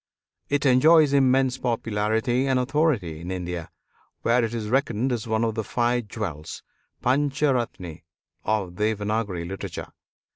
It enjoys immense popularity and authority in India, where it is reckoned as one of the ``Five Jewels," pancharatnani of Devanagiri literature.